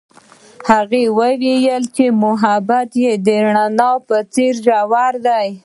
هغې وویل محبت یې د رڼا په څېر ژور دی.